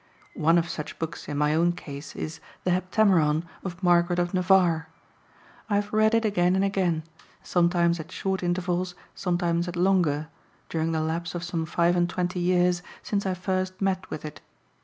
One of such books in my own case is THE HEPTAMERON of Margaret of Navarre. I have read it again and again, sometimes at short intervals, sometimes at longer, during the lapse of some five and twenty years since I first met with it.